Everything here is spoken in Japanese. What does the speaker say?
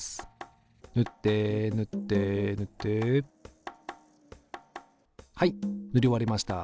塗って塗って塗ってはい塗り終わりました。